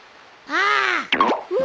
ああ。